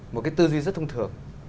một cái tư duy rất thông thường